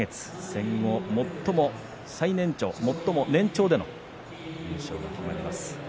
戦後最年長、最も年長での優勝が決まります。